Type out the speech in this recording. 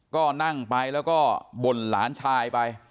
ก็นั่งไปแล้วก็บ่นหลานชายไป